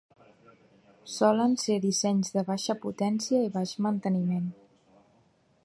Solen ser dissenys de baixa potència i baix manteniment.